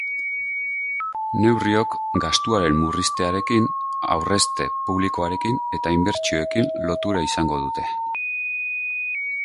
Neurriok gastuaren murriztearekin, aurrezte publikoarekin eta inbertsioekin lotura izango dute.